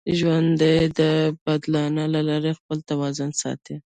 ژوند د بدلانه له لارې خپل توازن ساتي.